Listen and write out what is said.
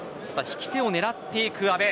引き手を狙っていく阿部。